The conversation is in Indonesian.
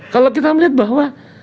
kalau kita melihat bahwa